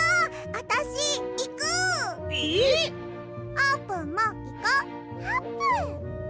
あーぷんもいこ！あぷん！